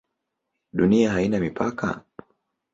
Dunia haina mipaka?